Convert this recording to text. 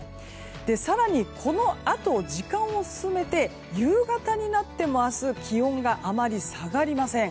更に、このあと時間を進めて夕方になっても明日気温があまり下がりません。